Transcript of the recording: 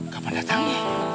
kapan datang ya